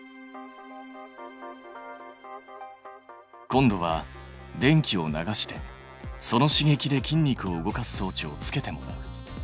今度は電気を流してその刺激で筋肉を動かす装置をつけてもらう。